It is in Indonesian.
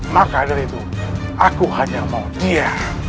maka dari itu aku hanya mau dia